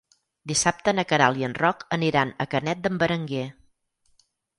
Dissabte na Queralt i en Roc aniran a Canet d'en Berenguer.